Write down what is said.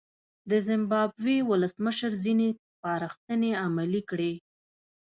د زیمبابوې ولسمشر ځینې سپارښتنې عملي کړې.